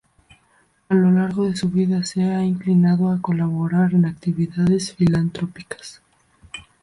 A lo largo de su vida, se ha inclinado a colaborar en actividades filantrópicas.